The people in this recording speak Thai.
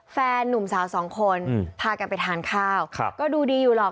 นุ่มสาวสองคนพากันไปทานข้าวก็ดูดีอยู่หรอก